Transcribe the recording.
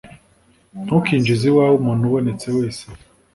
Ntukinjize iwawe umuntu ubonetse wese,